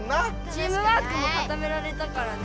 チームワークもかためられたからね。